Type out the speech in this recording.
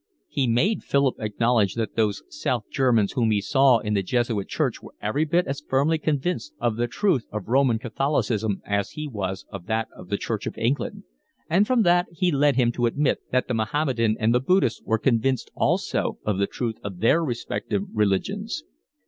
He made Philip acknowledge that those South Germans whom he saw in the Jesuit church were every bit as firmly convinced of the truth of Roman Catholicism as he was of that of the Church of England, and from that he led him to admit that the Mahommedan and the Buddhist were convinced also of the truth of their respective religions.